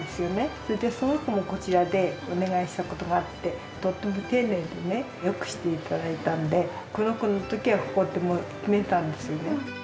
それでその子もこちらでお願いした事があってとっても丁寧でね良くして頂いたんでこの子の時はここってもう決めてたんですよね。